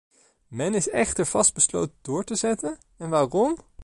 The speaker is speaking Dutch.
Men is echter vastbesloten door te zetten - en waarom?